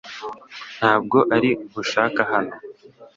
Ntabwo ari nkushaka hano .